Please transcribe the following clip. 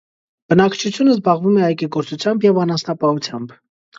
Բնակչությունը զբաղվում է այգեգործությամբ և անասնապահությամբ։